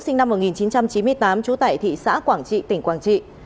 nguyễn quốc vũ sinh năm một nghìn chín trăm chín mươi tám chú tải thị xã quảng trị tỉnh quảng trị